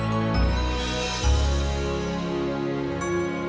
tuhan sakti berdoa